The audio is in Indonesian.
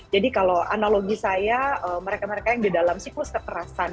jadi kalau analogi saya mereka mereka yang di dalam siklus kekerasan